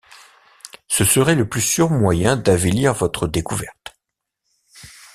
Ce serait le plus sûr moyen d’avilir votre découverte!